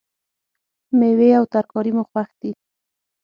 میوې او ترکاری مو خوښ دي